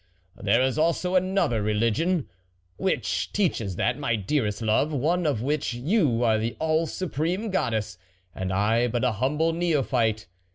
"There is also another religion which teaches that, my dearest love, one of which you are the all supreme goddess, and I but a humble neophyte.